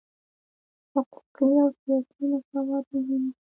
حقوقي او سیاسي مساوات مهم دي.